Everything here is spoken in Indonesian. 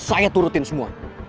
saya turutin semua